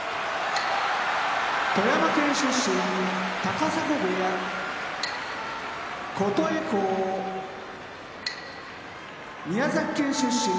富山県出身高砂部屋琴恵光宮崎県出身